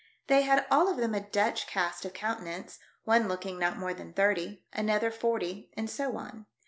They had all of them a Dutch cast of countenance, one look ing not more than thirty, another forty, and so on.